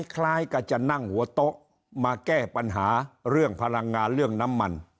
คล้ายกับจะนั่งหัวโต๊ะมาแก้ปัญหาเรื่องพลังงานเรื่องน้ำมัน